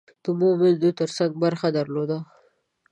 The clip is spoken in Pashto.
د مومندو ترڅنګ برخه درلوده.